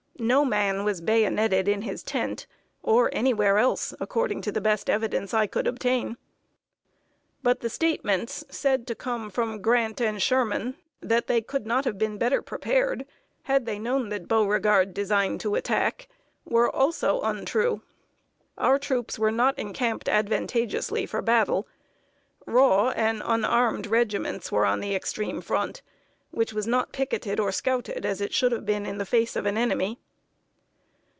No man was bayoneted in his tent, or anywhere else, according to the best evidence I could obtain. But the statements, said to come from Grant and Sherman, that they could not have been better prepared, had they known that Beauregard designed to attack, were also untrue. Our troops were not encamped advantageously for battle. Raw and unarmed regiments were on the extreme front, which was not picketed or scouted as it should have been in the face of an enemy.